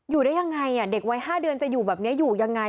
อยู่ได้ยังไงเด็กวัย๕เดือนจะอยู่แบบนี้อยู่ยังไง